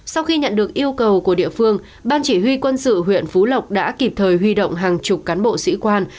sau khi nhận được yêu cầu của địa phương ban chỉ huy quân sự huyện phú lộc đã kịp thời huy động hàng chục cán bộ sĩ quan